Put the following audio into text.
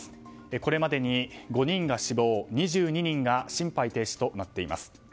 これまでに５人が死亡２２人が心肺停止となっています。